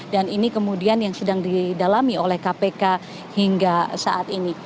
dan ini kemudian yang sedang didalami oleh kpk hingga saat ini